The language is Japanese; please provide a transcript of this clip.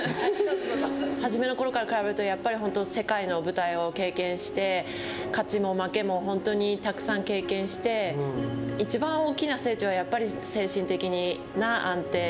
はじめのころから比べると世界の舞台を経験して勝ちも負けもたくさん経験していちばん大きな成長はやっぱり精神的な安定。